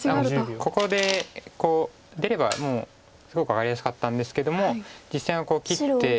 ここでこう出ればもうすごく分かりやすかったんですけども実戦は切って。